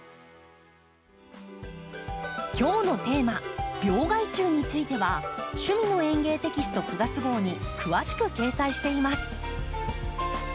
今日のテーマ「病害虫」については「趣味の園芸」テキスト９月号に詳しく掲載しています。